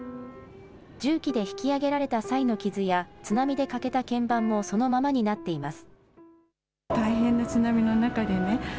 重機で引き上げられた際の傷や、津波で欠けた鍵盤もそのままになっています。